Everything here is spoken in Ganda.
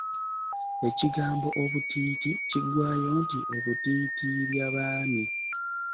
Ekigambo obutiiti kiggwayo nti obutiitiibyabaami.